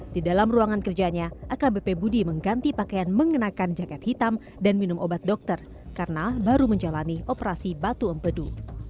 di dalam ruangan kerjanya akbp budi mengganti pakaian mengenakan jaket hitam dan minum obat dokter karena baru menjalani operasi batu empedu